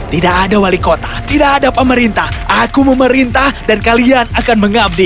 tidak ada wali kota tidak ada pemerintah aku memerintah dan kalian akan mengabdi